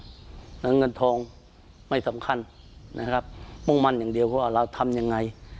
ต่างกับเงินทองไม่สำคัญนะครับต้องมันอย่างเดียวพวกเราทำยังไง